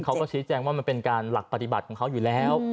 เขาก็ชี้แจงว่ามันเป็นการหลักปฏิบัติของเขาอยู่แล้ว